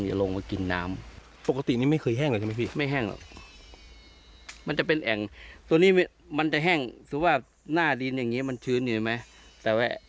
สุดท้ายจะลงมากินน้ำ